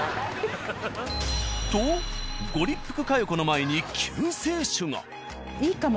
とご立腹佳代子の前にいいかも。